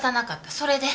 それで。